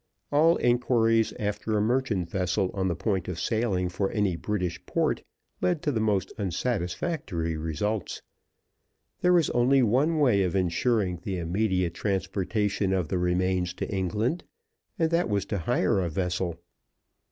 All inquiries after a merchant vessel on the point of sailing for any British port led to the most unsatisfactory results. There was only one way of insuring the immediate transportation of the remains to England, and that was to hire a vessel.